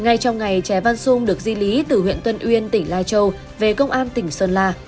ngay trong ngày trẻ văn sung được di lý từ huyện tân uyên tỉnh lai châu về công an tỉnh sơn la